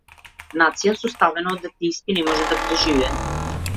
Нација составена од атеисти не може да преживее.